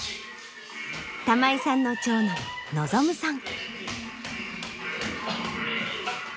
玉井さんの長男望夢さん。